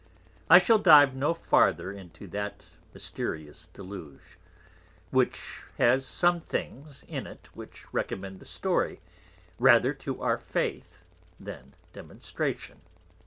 I shall dive no farther into that mysterious Deluge, which has some things in it which recommend the Story rather to our Faith than Demonstration.